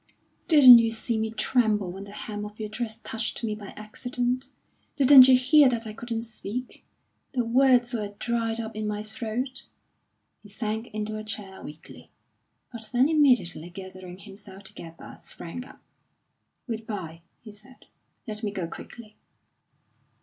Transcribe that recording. "Didn't you see me tremble when the hem of your dress touched me by accident? Didn't you hear that I couldn't speak; the words were dried up in my throat?" He sank into a chair weakly; but then immediately gathering himself together, sprang up. "Good bye," he said. "Let me go quickly."